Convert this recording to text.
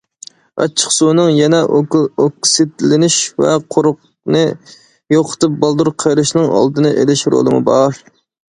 ئاچچىقسۇنىڭ يەنە ئوكسىدلىنىش ۋە قورۇقنى يوقىتىپ بالدۇر قېرىشنىڭ ئالدىنى ئېلىش رولىمۇ بار.